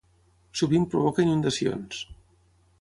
Sovint provoca inundacions.